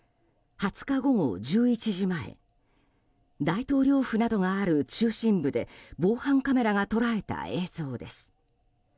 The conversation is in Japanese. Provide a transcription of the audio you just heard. ２０日午後１１時前大統領府などがある中心部で防犯カメラが捉えた映像です。